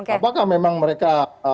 apakah memang mereka